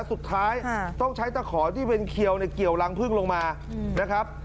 สุดท้ายต้องใช้ตะขอที่เป็นเขียวเนี่ยเกี่ยวรังพึ่งลงมานะครับ